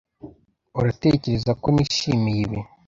Uratekereza ko nishimiye ibi?